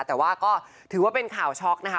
แต่ว่าก็ถือว่าเป็นข่าวช็อกนะคะ